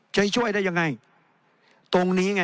จะช่วยได้ยังไง